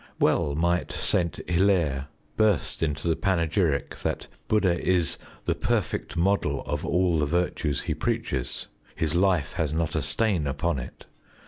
Well might St. Hilaire burst into the panegyric that Bud╠Żd╠Żha "is the perfect model of all the virtues he preaches ... his life has not a stain upon it".